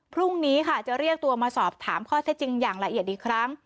พรุ่งนี้ค่ะจะเรียกตัวมาสอบถามข้อเท็จจริงอย่างละเอียดอีกครั้ง